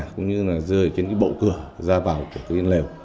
cũng như rơi trên bộ cửa ra vào lều